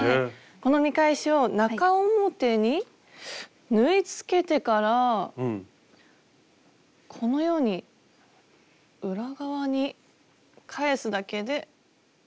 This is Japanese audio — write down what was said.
この見返しを中表に縫いつけてからこのように裏側に返すだけで。